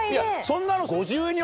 そんなの。